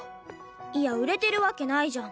いや売れてるわけないじゃん。